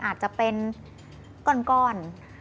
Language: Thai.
อาจจะเป็นก้อน